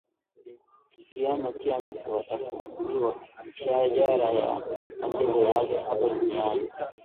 kiyama kila mtu atafunguliwa shajara ya matendo yake hapa duniani